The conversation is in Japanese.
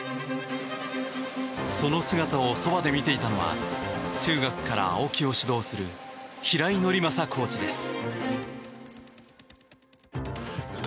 その姿をそばで見ていたのは中学から青木を指導する平井伯昌コーチです。